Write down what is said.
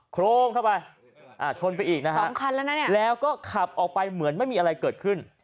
โครงเข้าไปชนไปอีกนะฮะสำคัญแล้วนะเนี่ยแล้วก็ขับออกไปเหมือนไม่มีอะไรเกิดขึ้น